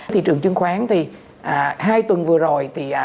thị trường chứng khoán thì hai tuần vừa rồi